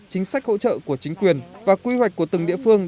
chính sách hỗ trợ của chính quyền và quy hoạch của từng địa phương